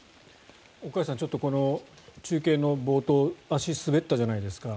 岡安さん、中継の冒頭足、滑ったじゃないですか。